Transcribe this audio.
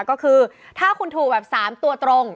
ก็คือถ้าคุณถูกแบบ๓ตัวตรง